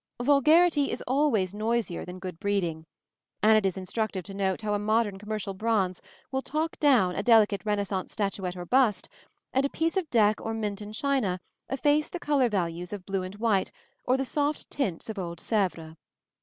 Vulgarity is always noisier than good breeding, and it is instructive to note how a modern commercial bronze will "talk down" a delicate Renaissance statuette or bust, and a piece of Deck or Minton china efface the color values of blue and white or the soft tints of old Sèvres.